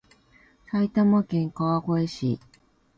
埼玉県川越市